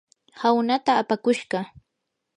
hawnaata apakushqa.